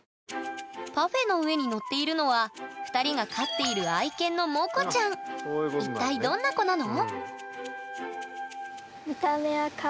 パフェの上に載っているのは２人が飼っている一体どんな子なの？